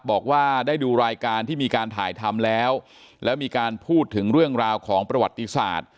บอกว่าได้ดูรายการที่มีการถ่ายทำแล้วแล้วมีการพูดถึงเรื่องราวของประวัติศาสตร์